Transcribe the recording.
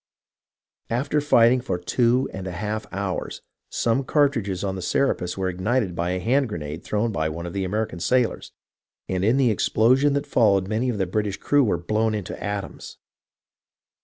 After fighting for two and a half hours, some cartridges on the Serapis were ignited by a hand grenade thrown by one of the American sailors, and in the explosion that followed many of the British crew were blown into atoms.